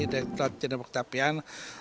dki jenderal perkecapian